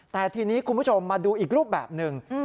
แต่ทีนี้คุณผู้ชมมาดูอีกรูปแบบหนึ่ง